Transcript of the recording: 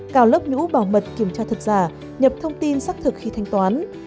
cào lớp nhũ bảo mật kiểm tra thật giả nhập thông tin xác thực khi thanh toán